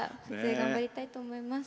頑張りたいと思います。